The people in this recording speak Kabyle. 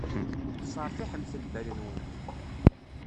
Sseṛtiḥemt lbal-nwent.